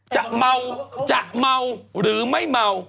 จะเมาจะเมาหรือไม่เมา